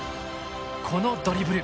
このドリブル。